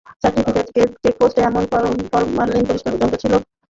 চেকপোস্টে যখন ফরমালিন পরীক্ষার যন্ত্র ছিল, তখন বাজারটি ফরমালিনমুক্ত ঘোষণা করা হয়েছিল।